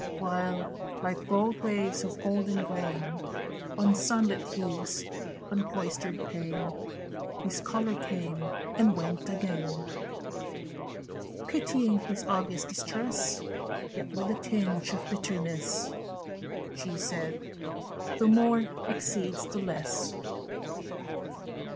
"] While, like broad waves of golden grain, Or sunlit hues on cloistered pane, His colour came and went again. Pitying his obvious distress, Yet with a tinge of bitterness, She said "The More exceeds the Less."